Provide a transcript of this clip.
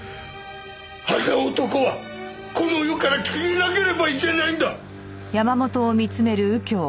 あの男はこの世から消えなければいけないんだ！